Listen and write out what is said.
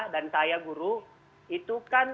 dan saya guru itu kan